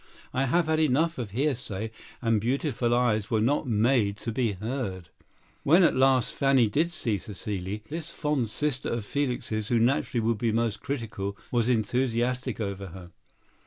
I have had enough of hearsay, and beautiful eyes were not made to be heard." When at last Fanny did see Cécile, this fond sister of Felix's, who naturally would be most critical, was enthusiastic over her.